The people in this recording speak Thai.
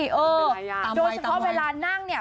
เออโดยเฉพาะเวลานั่งเนี่ย